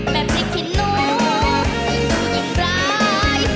แม่พริกขี้หนูดูยิ่งร้าย